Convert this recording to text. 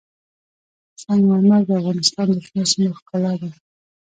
سنگ مرمر د افغانستان د شنو سیمو ښکلا ده.